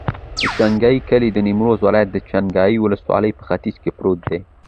د چنګای کلی د نیمروز ولایت، چنګای ولسوالي په ختیځ کې پروت دی.